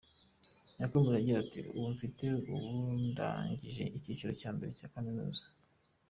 Yakomeje agira ati “ubu mfite ubu ndangije ikiciro cya mbere cya kaminuza.